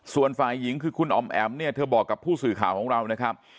ส่วนฝ่ายหญิงคือคุณอ๋อมแอ๋มเนี่ยเธอบอกกับผู้สื่อข่าวของเรานะครับ